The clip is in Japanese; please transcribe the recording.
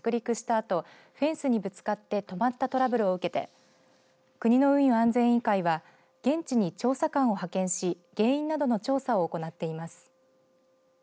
あとフェンスにぶつかって止まったトラブルを受けて国の運輸安全委員会は現地に調査官を派遣し原因などの調査を行っています。